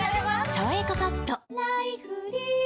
「さわやかパッド」